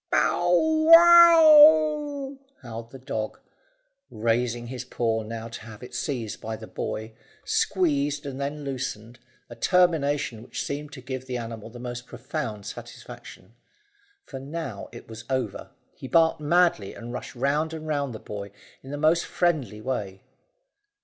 "Pow how!" howled the dog, raising his paw now to have it seized by the boy, squeezed and then loosened, a termination which seemed to give the animal the most profound satisfaction. For now it was over, he barked madly and rushed round and round the boy in the most friendly way.